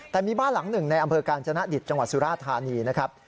แต่มีบ้านหลังหนึ่งในอำเภอกาญจนดิตจังหวัดสุราธานีนะครับ